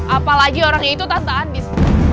apalagi orangnya itu tante andis